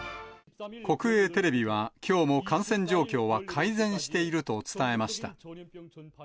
国営テレビは、きょうも感染状況は改善していると伝えました。